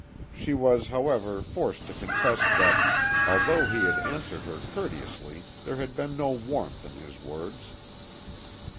She was, however, forced to confess that, although he had answered her courteously, there had been no warmth in his words.